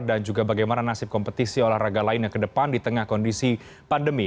dan juga bagaimana nasib kompetisi olahraga lainnya ke depan di tengah kondisi pandemi